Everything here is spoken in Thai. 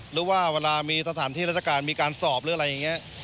หรือว่าเวลามีสถานที่ราชการมีการสอบหรืออะไรอย่างนี้